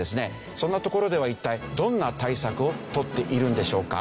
そんな所では一体どんな対策を取っているんでしょうか？